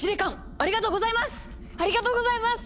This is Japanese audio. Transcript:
ありがとうございます！